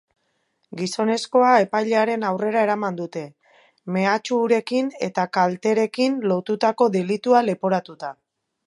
Gizonezkoa epailaren aurrera eraman dute, mehatxurekin eta kalterekin lotutako delitua leporatuta.